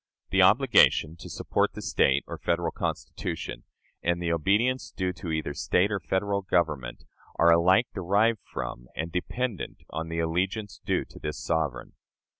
The obligation to support the State or Federal Constitution and the obedience due to either State or Federal Government are alike derived from and dependent on the allegiance due to this sovereign.